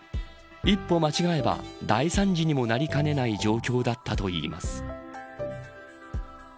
一歩間違えば大惨事にもなりかねない状況だったといいます。